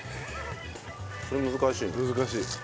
それ難しいね。